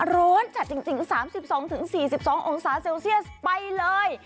ร้อนจัดจริง๓๒๔๒องศาเซลเซียสไปเลย